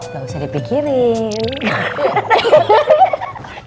gak usah dipikirin